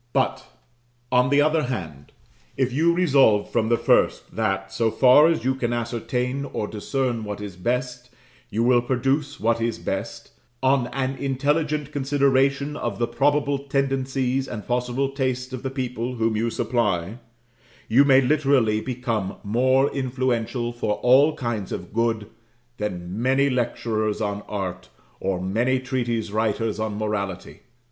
But, on the other hand, if you resolve from the first that, so far as you can ascertain or discern what is best, you will produce what is best, on an intelligent consideration of the probable tendencies and possible tastes of the people whom you supply, you may literally become more influential for all kinds of good than many lecturers on art, or many treatise writers on morality.